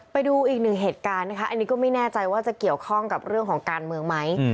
ไปดูอีกหนึ่งเหตุการณ์นะคะอันนี้ก็ไม่แน่ใจว่าจะเกี่ยวข้องกับเรื่องของการเมืองไหม